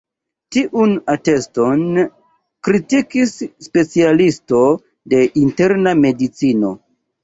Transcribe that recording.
Tiun ateston kritikis specialisto de interna medicino.